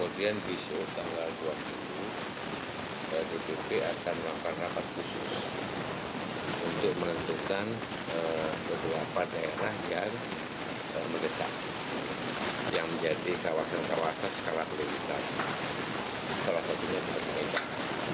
dia akan mengangkat rapat khusus untuk menentukan beberapa daerah yang meresap yang menjadi kawasan kawasan skala kualitas salah satunya di pdip